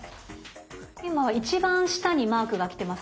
今一番下にマークが来てますね。